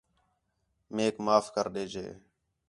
میک معاف کر ݙے جے